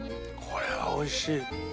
これはおいしい。